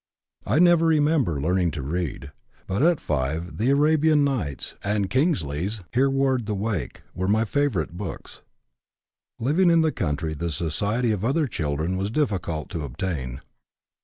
I never remember learning to read, but at 5 the Arabian Nights and Kingsley's Hereward the Wake were my favorite books. Living in the country the society of other children was difficult to obtain.